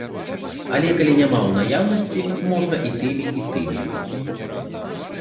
Але калі няма ў наяўнасці, можна і тымі, і тымі.